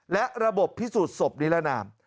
และระบบพิสูจน์ศพนิรนาม